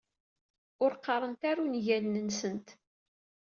Ur qqarent ara ungalen-nsent.